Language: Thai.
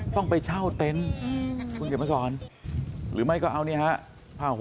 ต้องไปเช่าเต็นต์หรือไม่ก็เอานี่ฮะ